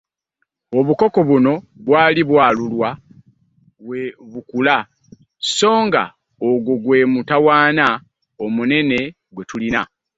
Obukoko buno bwali bwalulwa we bukula, songa ogwo gwe mutawana omunene gwe tulina.